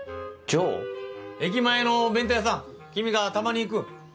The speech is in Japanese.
駅前のお弁当屋さん君がたまに行く。